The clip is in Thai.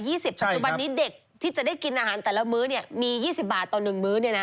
ปัจจุบันนี้เด็กที่จะได้กินอาหารแต่ละมื้อเนี่ยมี๒๐บาทต่อ๑มื้อเนี่ยนะ